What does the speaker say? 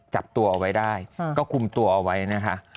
จับตัวเอาไว้ได้ก็คุมตัวเอาไว้นะคะ